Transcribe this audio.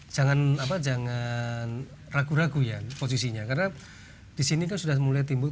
jangan apa jangan ragu ragu ya posisinya karena disini kan sudah mulai timbul